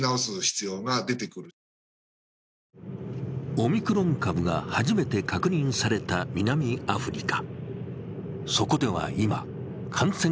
オミクロン株が初めて確認された南アフリカ。